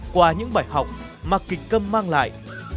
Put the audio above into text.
qua những bài học mà kịch câm mang lại